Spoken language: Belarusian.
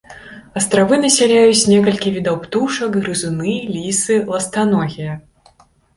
Астравы насяляюць некалькі відаў птушак, грызуны, лісы, ластаногія.